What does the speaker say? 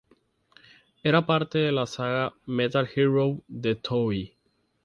Era parte de la saga Metal Hero de Toei.